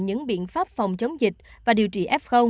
những biện pháp phòng chống dịch và điều trị f